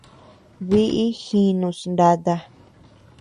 Biʼi jínus nata.